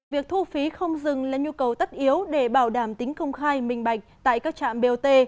việc thu phí không dừng là nhu cầu tất yếu để bảo đảm tính công khai minh bạch tại các trạm bot